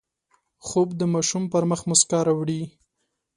خوب د ماشوم پر مخ مسکا راوړي